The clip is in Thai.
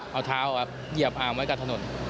เอาเท้าเหยียบอาร์มไว้กับถนน